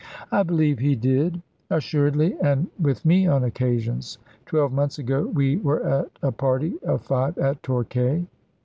"I believe he did." "Assuredly; and with me on occasions. Twelve months ago we were a party of five at Torquay."